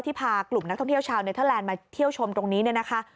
พากลุ่มนักท่องเที่ยวชาวเนเทอร์แลนด์มาเที่ยวชมตรงนี้เนี่ยนะคะ